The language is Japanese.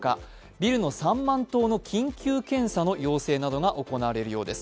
ビルの３万棟の緊急検査の要請などが行われるようです。